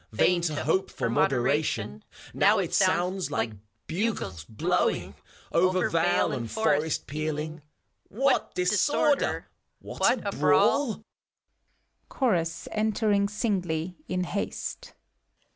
Vain to hope for moderation; Now it sounds like bugles blowing, Over vale and forest pealing: What disorder! What a brawl f CHORtJS (entering singly, in haste).